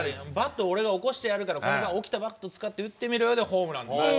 俺が起こしてやるから起きたバットを使って打ってみろよでホームランですよ。